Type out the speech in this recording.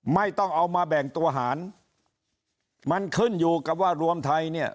ไม่ต้องเอามาแบ่งตัวหารมันขึ้นอยู่กับว่ารวมไทยเนี่ย